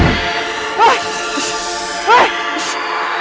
kenapa gue jadi merinding ya